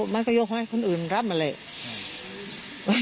มันก็โยคให้คนอื่นรับมาเลย